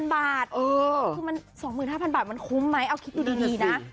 ๒๕๐๐๐บาทมันคุ้มไหมเอาคิดดีนะ